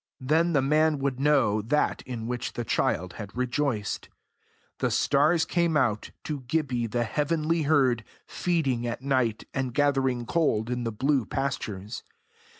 Then the man would know that in which the child had rejoiced. The stars came out, to Gibbie the heavenly herd, feeding at night, and gathering gold in the blue pastures.